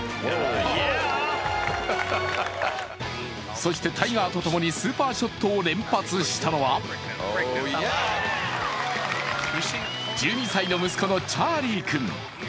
そしてタイガーとともに、スーパーショットを連発したのは１２歳の息子のチャーリー君。